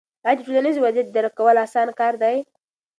آیا د ټولنیز وضعیت درک کول اسانه کار دی؟